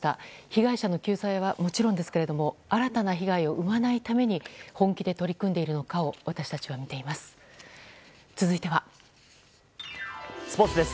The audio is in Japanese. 被害者の救済はもちろんですが新たな被害を生まないために本気で取り組んでいるのかをスポーツです。